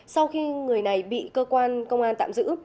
sau khi người này bị cơ quan công an tạm giữ